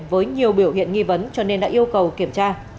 với nhiều biểu hiện nghi vấn cho nên đã yêu cầu kiểm tra